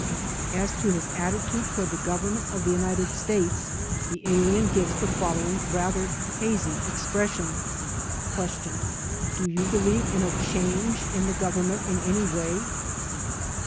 As to his attitude toward the government of the United States the alien gives the following rather hazy expres sion: Q. "Do you believe in a change in the Government in any way